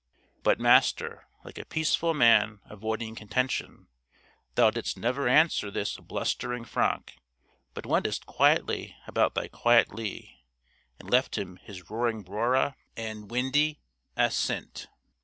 But, Master, like a peaceful man avoiding contention, thou didst never answer this blustering Franck, but wentest quietly about thy quiet Lea, and left him his roaring Brora and windy Assynt.